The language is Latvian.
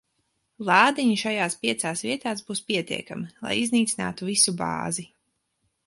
Lādiņi šajās piecās vietās būs pietiekami, lai iznīcinātu visu bāzi.